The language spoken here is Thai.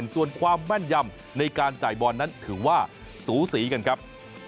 ส่วนความแม่นยำในการจ่ายบอลนั้นถือว่าสูสีกันครับ